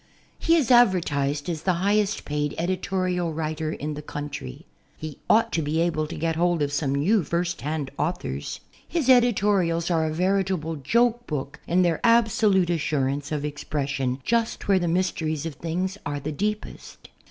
He is advertised as the highest paid editorial writer in the country. He ought to be able to get hold of some new first hand authors. His editorials are a veritable joke book in their absolute assurance of expression just where the mysteries of things are the deepest.